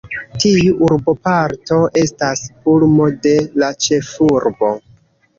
Tiu urboparto estas pulmo de la ĉefurbo.